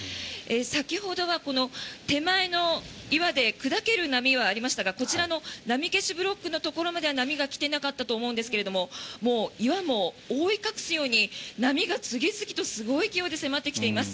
先ほどは手前の岩で砕ける波はありましたがこちらの波消しブロックのところまでは波は来てなかったと思うんですが岩も覆い隠すように波が次々とすごい勢いで迫ってきています。